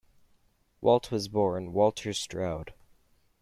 Walt was born Walter Stroud.